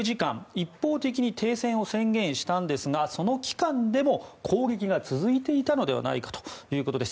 一方的に停戦を宣言したんですがその期間でも攻撃が続いていたのではないかということです。